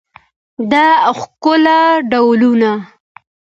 د ښکلا ډولونه